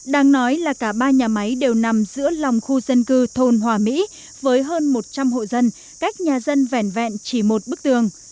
đang nói là cả ba nhà máy đều nằm giữa lòng khu dân cư thôn hòa mỹ với hơn một trăm linh hộ dân cách nhà dân vẻn vẹn chỉ một bức tường